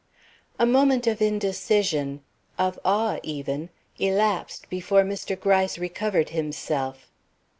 A moment of indecision, of awe even, elapsed before Mr. Gryce recovered himself.